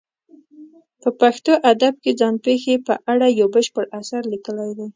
په پښتو ادب کې ځان پېښې په اړه یو بشپړ اثر لیکلی دی.